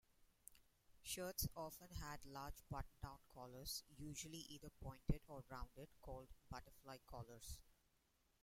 Shirts often had large button-down collars, usually either pointed or rounded, called Butterfly collars.